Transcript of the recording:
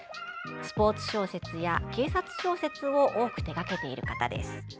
スポーツ小説や警察小説を多く手がけている方です。